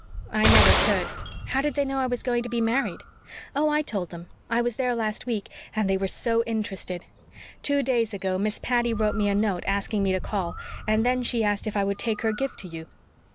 "I never could. How did they know I was going to be married?" "Oh, I told them. I was there last week. And they were so interested. Two days ago Miss Patty wrote me a note asking me to call; and then she asked if I would take her gift to you.